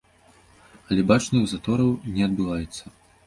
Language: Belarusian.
Але бачных затораў не адбываецца.